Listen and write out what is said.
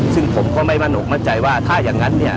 ซึ่งผมก็ไม่มั่นอกมั่นใจว่าถ้าอย่างนั้นเนี่ย